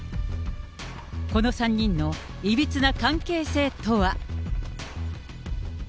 この３人のいびつな関係性とは。